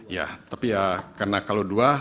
ya tapi ya karena kalau dua